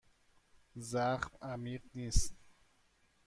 زخم عمیق نیست.